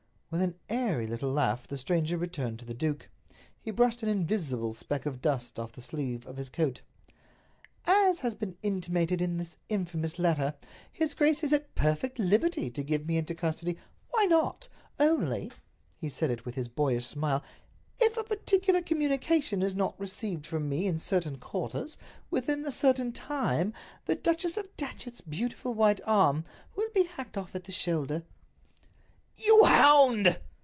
With an airy little laugh the stranger returned to the duke. He brushed an invisible speck of dust off the sleeve of his coat. "As has been intimated in that infamous letter, his grace is at perfect liberty to give me into custody—why not? Only"—he said it with his boyish smile—"if a particular communication is not received from me in certain quarters within a certain time the Duchess of Datchet's beautiful white arm will be hacked off at the shoulder." "You hound!"